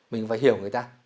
mình phải hiểu người ta